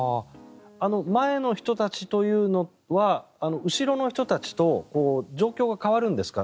前の人たちというのは後ろの人たちと状況が変わるんですか？